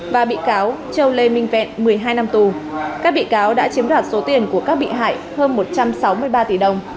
và bị cáo châu lê minh vẹn một mươi hai năm tù các bị cáo đã chiếm đoạt số tiền của các bị hại hơn một trăm sáu mươi ba tỷ đồng